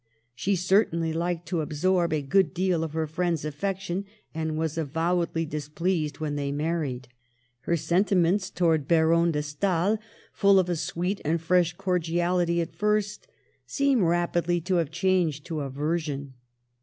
She certainly liked to absorb a great deal of her friends' affection, and was avowedly displeased when they married. Her sentiments towards Baron de Stael, full of a sweet and fresh cordiality at first, seems rapidly to have changed to aver sion.